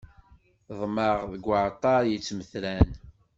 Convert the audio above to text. Ḍemɛeɣ deg uɛeṭṭaṛ yittmetran.